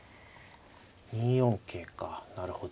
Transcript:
２四桂かなるほど。